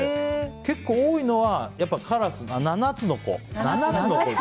結構多いのはカラス「七つの子」。